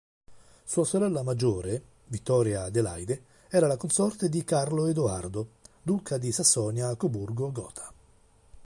Sua sorella maggiore, Vittoria Adelaide era la consorte di Carlo Edoardo, Duca di Sassonia-Coburgo-Gotha.